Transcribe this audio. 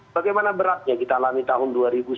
bagaimana beratnya kita alami tahun dua ribu sembilan belas